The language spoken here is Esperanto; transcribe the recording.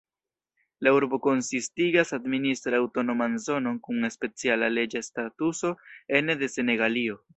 La urbo konsistigas administre aŭtonoman zonon kun speciala leĝa statuso ene de Senegalio.